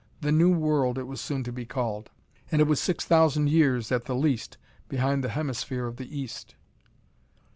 The New World, it was soon to be called. And it was six thousand years, at the least, behind the Hemisphere of the east.